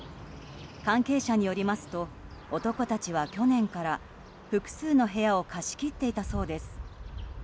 関係者によりますと男たちは去年から複数の部屋を貸し切っていたそうです。